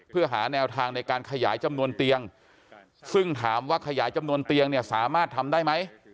เพื่อหาแนวทางในการขยายจำนวนเตียงซึ่งถามว่าขยายจำนวนเตียงเนี่ยสามารถทำได้ไหม